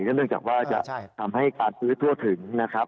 เนื่องจากว่าจะทำให้การซื้อทั่วถึงนะครับ